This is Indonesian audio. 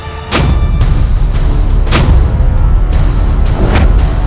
aku akan mencari dan membunuhmu